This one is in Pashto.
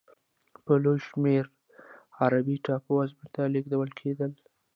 په لویه شمېر عربي ټاپو وزمې ته لېږدول کېدل.